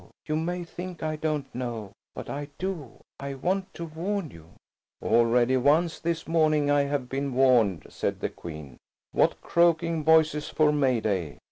You may think I don't know, but I do. I want to warn you–" "Already once, this morning I have been warned," said the Queen. "What croaking voices for May day!"